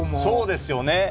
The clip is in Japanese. そうですよね。